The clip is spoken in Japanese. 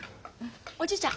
おじいちゃん